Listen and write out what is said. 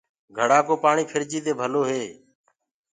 گھڙآ ڪو پآڻي ڦِرجي دي ڀلو هي۔